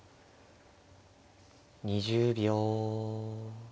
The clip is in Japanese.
２０秒。